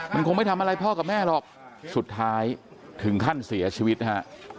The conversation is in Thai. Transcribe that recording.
มันคงไม่ทำอะไรพ่อกับแม่หรอกสุดท้ายถึงขั้นเสียชีวิตนะฮะ